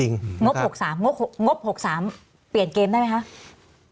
งบ๖๓งบ๖๓เปลี่ยนเกมได้ไหมคะ